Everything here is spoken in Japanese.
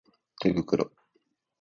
手袋